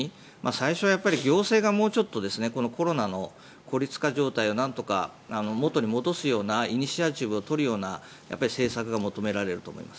最初は行政がもうちょっとこのコロナの孤立化状態をなんとか元に戻すようなイニシアチブを取るような政策が求められると思います。